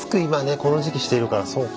この時期してるからそうか。